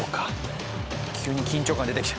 急に緊張感出てきた。